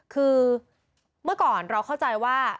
คือเมื่อก่อนเราเข้าใจว่า